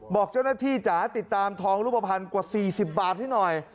บอกเจ้าหน้าที่จ๋าติดตามทองรูปภัณฑ์กว่า๔๐บาทให้หน่อย